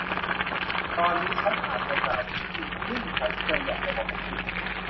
ตอนนี้ชั้นอาจจะกล่าวถึงสิ่งซึ่งฉันเคยอยากจะบอกกับคุณ